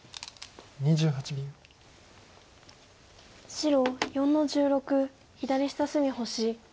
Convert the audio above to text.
白４の十六左下隅星。